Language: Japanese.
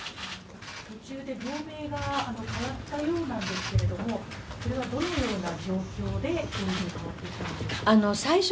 途中で病名が変わったようなんですけれども、それはどのような状況で変わっていったんでしょ